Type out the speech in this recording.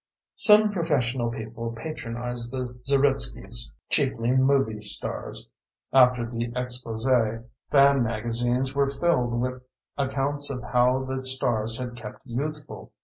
Some professional people patronized the Zeritskys, chiefly movie stars. After the expose, fan magazines were filled with accounts of how the stars had kept youthful.